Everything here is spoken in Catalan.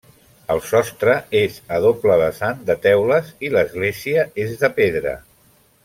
El sostre és a doble vessant de teules i l'església és de pedra.